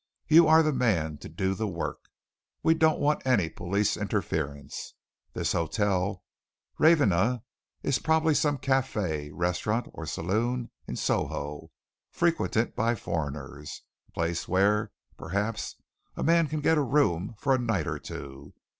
"You are the man to do the work. We don't want any police interference. This Hotel Ravenna is probably some café, restaurant, or saloon in Soho, frequented by foreigners a place where, perhaps, a man can get a room for a night or two.